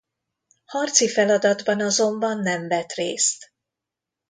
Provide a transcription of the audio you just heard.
Harci feladatban azonban nem vett részt.